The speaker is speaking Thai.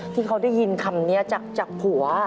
ที่เขาได้ยินคำนี้จากผัว